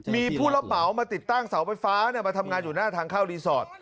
มีผู้รับเหมามาติดตั้งเสาไฟฟ้ามาทำงานอยู่หน้าทางเข้ารีสอร์ท